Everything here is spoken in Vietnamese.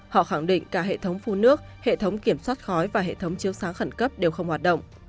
họ khẳng định cả hệ thống phun nước hệ thống kiểm soát khói và hệ thống chiếu sáng khẩn cấp đều không hoạt động